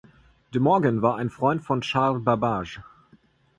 De Morgan war ein Freund von Charles Babbage.